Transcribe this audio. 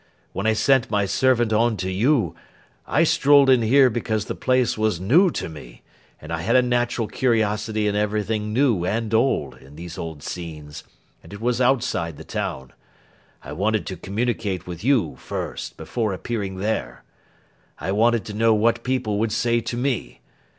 When I sent my servant on to you, I strolled in here because the place was new to me; and I had a natural curiosity in everything new and old, in these old scenes; and it was outside the town. I wanted to communicate with you, first, before appearing there. I wanted to know what people would say to me.